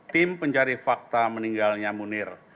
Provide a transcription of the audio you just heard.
tim pencari fakta meninggalnya munir